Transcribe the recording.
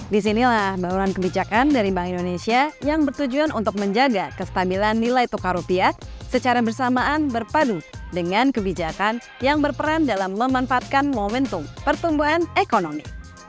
disinilah bauran kebijakan dari bank indonesia yang bertujuan untuk menjaga kestabilan nilai tukar rupiah secara bersamaan berpadu dengan kebijakan yang berperan dalam memanfaatkan momentum pertumbuhan ekonomi